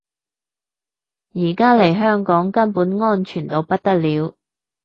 而家嚟香港根本安全到不得了